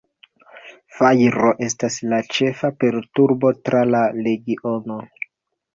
Fajro estas la ĉefa perturbo tra la regiono.